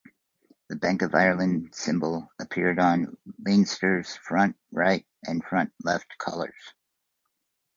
The Bank of Ireland symbol appeared on Leinster's front right and front left collars.